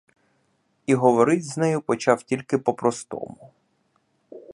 І говорить з нею почав тільки по-простому.